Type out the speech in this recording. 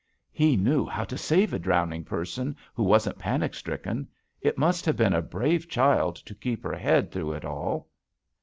"He knew how to «ave a drowning person, who wasn't panic stricken. It must have been a brave child to keep her head through it all."